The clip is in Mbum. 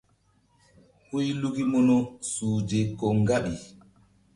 Huy luki munu uhze ko ŋgaɓi.